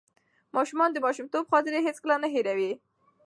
ماشومان د ماشومتوب خاطرې هیڅکله نه هېروي.